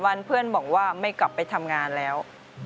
วันเพื่อนบอกว่าไม่กลับไปทำงานแล้ว